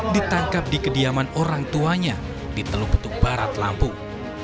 ditangkap di kediaman orang tuanya di teluk betuk barat lampung